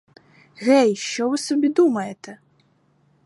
Гей, що ви собі думаєте!